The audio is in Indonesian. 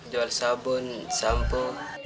jual sabun sampo